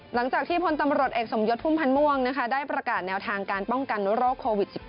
หลังจากที่พลตำรวจเอกสมยศพุ่มพันธ์ม่วงได้ประกาศแนวทางการป้องกันโรคโควิด๑๙